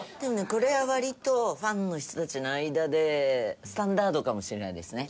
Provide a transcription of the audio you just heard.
これは割とファンの人たちの間でスタンダードかもしれないですね。